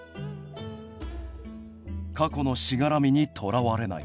過去のしがらみにとらわれない。